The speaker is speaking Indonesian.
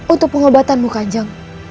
untuk pengobatanmu kanjeng